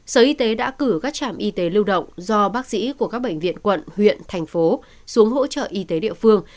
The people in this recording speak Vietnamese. sở y tế đã cử các trạm y tế lưu động do bác sĩ của các bệnh viện quận huyện thành phố xuống hỗ trợ y tế địa phương